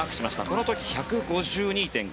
この時１５２．５８。